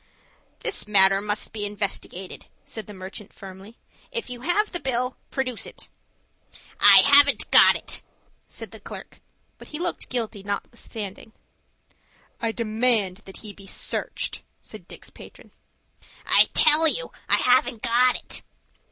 "This matter must be investigated," said the merchant, firmly. "If you have the bill, produce it." "I haven't got it," said the clerk; but he looked guilty notwithstanding. "I demand that he be searched," said Dick's patron. "I tell you I haven't got it."